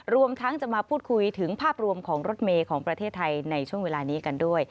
รวมทั้งจะมาพูดคุยถึงภาพรวมของรถเมย์ของประเทศไทยในช่วงเวลานี้กันด้วย